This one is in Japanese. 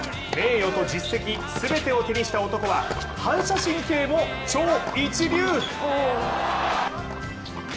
名誉と実績全てを手にした男は反射神経も超一流！